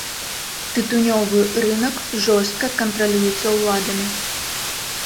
Тытунёвы рынак жорстка кантралюецца ўладамі.